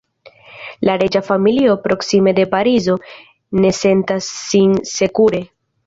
La reĝa familio, proksime de Parizo, ne sentas sin sekure.